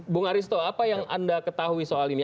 bu ngaristo apa yang anda ketahui soal ini